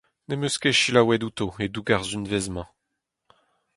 Ne’m eus ket selaouet outo e-doug ar sizhunvezh-mañ.